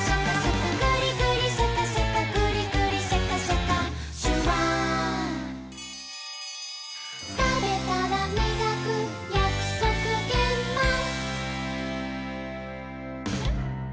「グリグリシャカシャカグリグリシャカシャカ」「シュワー」「たべたらみがくやくそくげんまん」